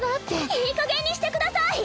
いいかげんにしてください！